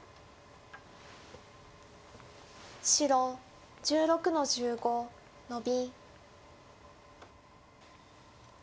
白１６の十五ノビ。